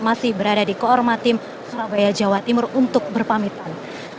masih berada di koorma tim surabaya jawa timur untuk berpamitan